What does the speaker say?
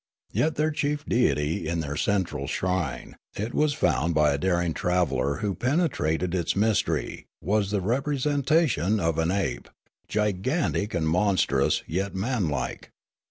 Yet their chief deit}' in their central shrine, it was found by a daring traveller who penetrated its mystery, was the re presentation of an ape, gigantic and monstrous yet man like.